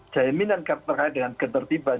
jaminan terkait dengan ketertiban